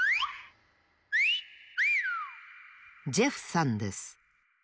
ジェフさんです。